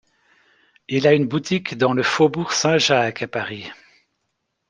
Il a une boutique dans le faubourg Saint-Jacques à Paris.